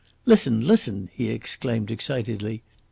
"Listen! listen!" he exclaimed excitedly.